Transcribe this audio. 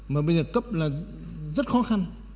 mà bây giờ cấp là rất khó khăn